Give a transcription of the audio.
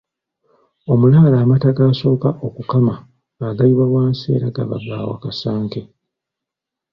Omulaalo amata g’asooka okukama agayiwa wansi era gaba ga Wakasanke.